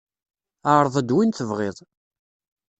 Ɛreḍ-d win tebƔiḍ.